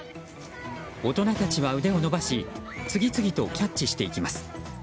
大人たちは腕を伸ばし次々とキャッチしていきます。